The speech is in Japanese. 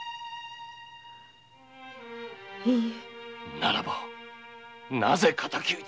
ならばなぜ敵討ちに？